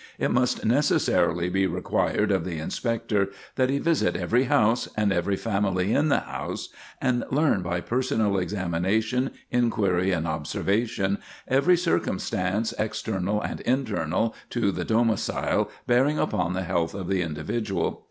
It must necessarily be required of the inspector that he visit every house, and every family in the house, and learn by personal examination, inquiry, and observation, every circumstance, external and internal to the domicile, bearing upon the health of the individual.